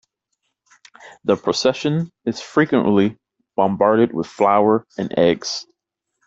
The procession is frequently bombarded with flour and eggs.